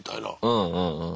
うんうんうん。